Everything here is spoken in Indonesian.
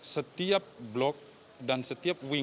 setiap blok dan setiap wing